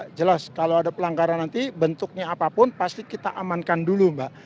ya jelas kalau ada pelanggaran nanti bentuknya apapun pasti kita amankan dulu mbak